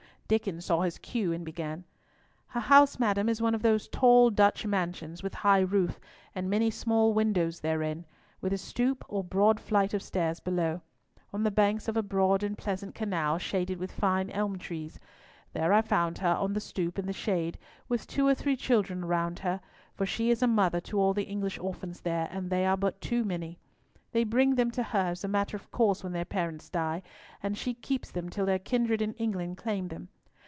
Diccon saw his cue, and began— "Her house, madam, is one of those tall Dutch mansions with high roof, and many small windows therein, with a stoop or broad flight of steps below, on the banks of a broad and pleasant canal, shaded with fine elm trees. There I found her on the stoop, in the shade, with two or three children round her; for she is a mother to all the English orphans there, and they are but too many. They bring them to her as a matter of course when their parents die, and she keeps them till their kindred in England claim them.